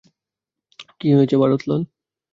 কী হয়েছে, ভারত লাল?